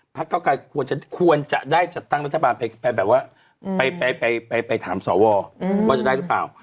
มันจะได้จัดตั้งรัฐบาลแบบว่าไปถามสวว่าจะได้หรือเปล่า